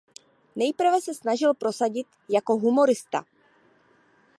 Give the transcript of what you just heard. Nejprve se snažil prosadit jako humorista.